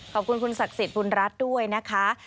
ขอบคุณคุณศักดิ์สิทธิ์บุญรัฐด้วยนะคะ